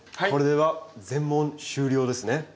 これで全問終了ですね。